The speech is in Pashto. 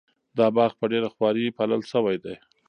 دا باغ په ډېره خواري پالل شوی دی.